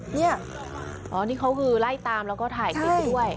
นี่อ๋อนี่เขาคือไล่ตามแล้วก็ถ่ายคลิปด้วย